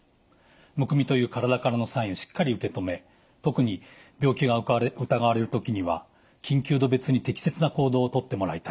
むくみという体からのサインをしっかり受け止め特に病気が疑われる時には緊急度別に適切な行動を取ってもらいたいと思います。